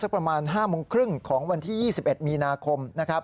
ประมาณ๕โมงครึ่งของวันที่๒๑มีนาคมนะครับ